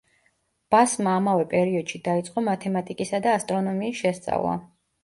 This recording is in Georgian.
ბასმა ამავე პერიოდში დაიწყო მათემატიკისა და ასტრონომიის შესწავლა.